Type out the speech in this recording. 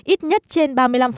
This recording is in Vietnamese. ít nhất trên ba mươi năm